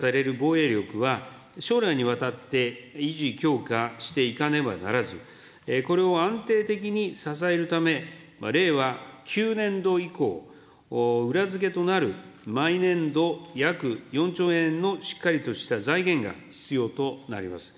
抜本的に強化される防衛力は、将来にわたって維持、強化していかねばならず、これを安定的に支えるため、令和９年度以降、裏付けとなる、毎年度約４兆円のしっかりとした財源が必要となります。